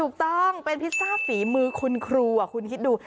ถูกต้องเป็นพิซซ่าฝีมือคุณครูคุณคิดดู